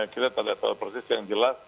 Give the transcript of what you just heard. kita tidak tahu persis yang jelas